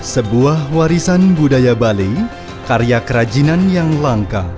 sebuah warisan budaya bali karya kerajinan yang langka